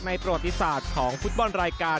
ประวัติศาสตร์ของฟุตบอลรายการ